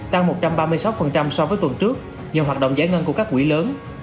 tăng một trăm ba mươi sáu so với tuần trước nhờ hoạt động giải ngân của các quỹ lớn